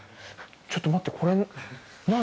ちょっと待って、これ、何？